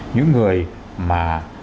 những người mà